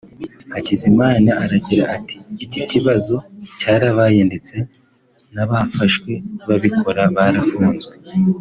Hakizimana aragira ati “Iki kibazo cyarabaye ndetse n’abafashwe babikora barafunzwe